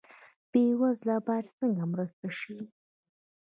بې وزله باید څنګه مرسته شي؟